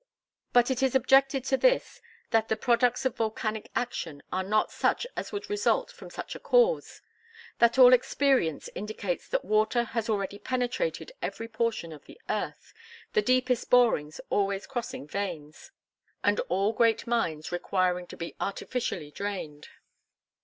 But it is objected to this that the products of volcanic action are not such as would result from such a cause; that all experience indicates that water has already penetrated every portion of the earth, the deepest borings always crossing veins, and all great mines requiring to be artificially drained.